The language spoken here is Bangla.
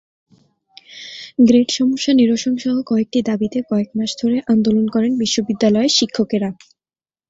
গ্রেড সমস্যা নিরসনসহ কয়েকটি দাবিতে কয়েক মাস ধরে আন্দোলন করেন বিশ্ববিদ্যালয়ের শিক্ষকেরা।